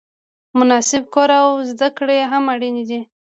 مناسب کور او زده کړې هم اړینې دي.